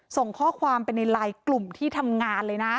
ส่งข้อความไปในไลน์กลุ่มที่ทำงานเลยนะ